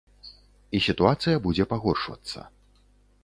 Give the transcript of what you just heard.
І сітуацыя будзе пагоршвацца.